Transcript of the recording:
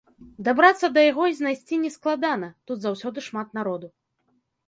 Дабрацца да яго і знайсці не складана, тут заўсёды шмат народу.